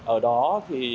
ở đó thì